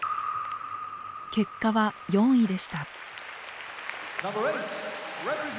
結果は４位でした。